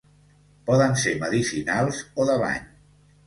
Poden ser medicinals o de bany.